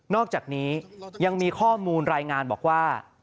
อกจากนี้ยังมีข้อมูลรายงานบอกว่า